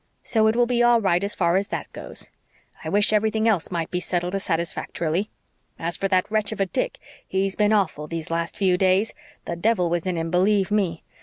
So it will be all right as far as THAT goes. I wish everything else might be settled as satisfactorily. As for that wretch of a Dick, he's been awful these last few days. The devil was in him, believe ME!